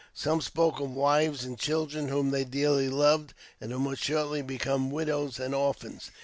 Some spoke of wives and children whom they dearly loved, and who must shortly become widows and orphans.